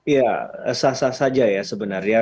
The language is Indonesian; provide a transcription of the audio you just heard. ya sah sah saja ya sebenarnya